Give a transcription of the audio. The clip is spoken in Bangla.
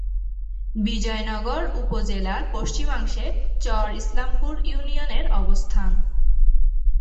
বিজয়নগর উপজেলার পশ্চিমাংশে চর ইসলামপুর ইউনিয়নের অবস্থান।